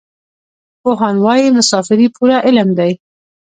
پوهان وايي مسافري پوره علم دی.